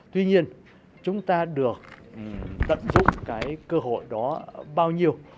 tuy nhiên chúng ta được tận dụng cái cơ hội đó bao nhiêu